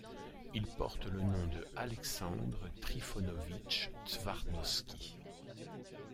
Il porte le nom de Alexandre Trifonovitch Tvardovski.